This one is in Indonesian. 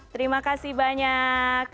terima kasih banyak